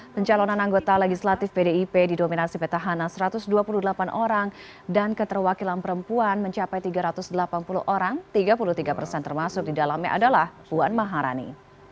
pencalonan anggota legislatif pdip didominasi petahana satu ratus dua puluh delapan orang dan keterwakilan perempuan mencapai tiga ratus delapan puluh orang tiga puluh tiga persen termasuk di dalamnya adalah puan maharani